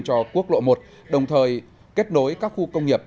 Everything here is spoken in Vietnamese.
cho quốc lộ một đồng thời kết nối các khu công nghiệp